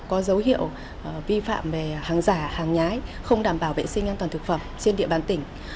có dấu hiệu vi phạm về hàng giả hàng nhái không đảm bảo vệ sinh an toàn thực phẩm trên địa bàn tỉnh